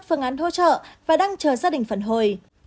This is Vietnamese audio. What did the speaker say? phương án hỗ trợ và đang chờ gia đình phản hồi